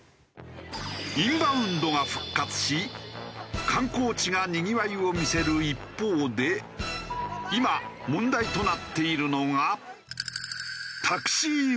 インバウンドが復活し観光地がにぎわいを見せる一方で今問題となっているのが。